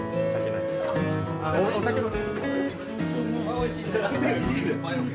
おいしいね。